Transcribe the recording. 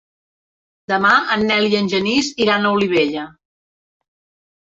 Demà en Nel i en Genís iran a Olivella.